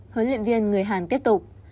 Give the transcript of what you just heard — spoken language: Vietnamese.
hớn luyện viên người hàn tiếp tục